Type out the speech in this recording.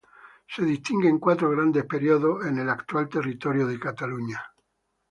Se distinguen cuatro grandes periodos en el actual territorio de Cataluña.